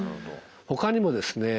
ほかにもですね